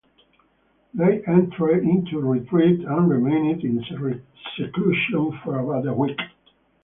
They entered into retreat and remained in seclusion for about a week.